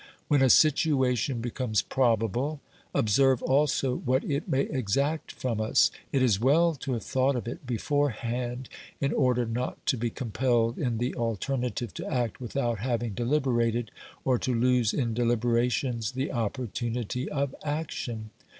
When a situation becomes probable, observe also what it may exact from us. It is well to have thought of it beforehand, in order not to be compelled in the alternative to act without having deliberated or to lose in delibera tions the opportunity of action.